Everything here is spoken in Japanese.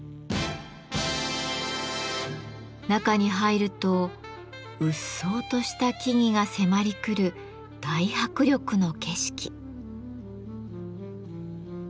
中に入るとうっそうとした木々が迫り来る大迫力の景色。